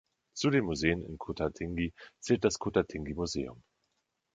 Zu den Museen in Kota Tinggi zählt das Kota Tinggi Museum.